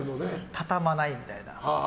畳まないみたいな。